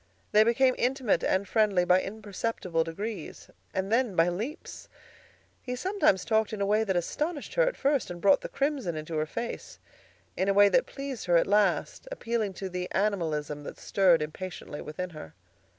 They became intimate and friendly by imperceptible degrees, and then by leaps. He sometimes talked in a way that astonished her at first and brought the crimson into her face; in a way that pleased her at last, appealing to the animalism that stirred impatiently within her.